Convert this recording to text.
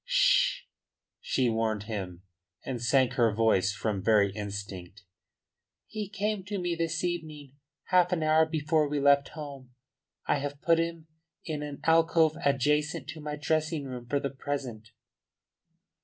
"Sh!" she warned him, and sank her voice from very instinct. "He came to me this evening, half an hour before we left home. I have put him in an alcove adjacent to my dressing room for the present."